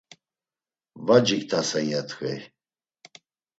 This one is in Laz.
Va ciktasen, ya t̆ǩvey.